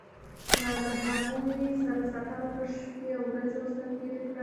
له هغوی سره سفر وکړه شپې او ورځې ورسره تېرې کړه.